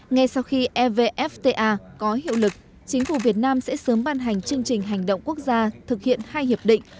ngay sau khi evfta có hiệu lực chính phủ việt nam sẽ sớm ban hành chương trình hành động quốc gia thực hiện hai hiệp định